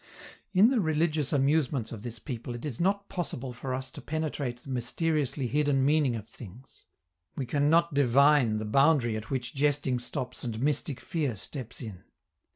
In the religious amusements of this people it is not possible for us to penetrate the mysteriously hidden meaning of things; we can not divine the boundary at which jesting stops and mystic fear steps in.